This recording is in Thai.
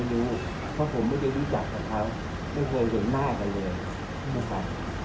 ไม่รู้เพราะผมไม่ได้รู้จักกับเขาไม่เคยเห็นหน้ากันเลยนะครับ